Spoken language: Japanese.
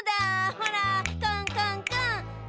ほらコンコンコン！